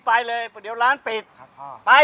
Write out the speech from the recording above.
พี่พ่อไปนิดหนึ่งพ่อ